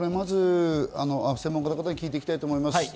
専門家の方に聞いていきたいと思います。